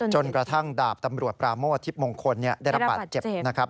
จนกระทั่งดาบตำรวจปราโมทิพย์มงคลได้ระบาดเจ็บ